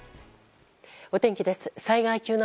お天気です。